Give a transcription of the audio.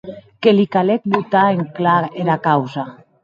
Que li calec botar en clar era causa.